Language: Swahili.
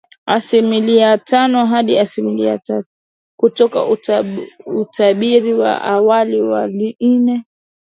Asilimia tano hadi asilimia tatu, kutoka utabiri wa awali wa ine